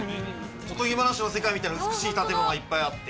おとぎ話の世界みたいな美しい建物がいっぱいあって。